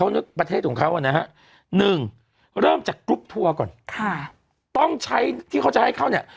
เนอฮะหนึ่งเริ่มจากกรุ๊ปทัวร์ก่อนข้าต้องใช้ที่เขาจะให้เขาเนี่ย